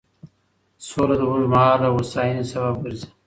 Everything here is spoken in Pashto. سوله د اوږدمهاله هوساینې سبب ګرځي.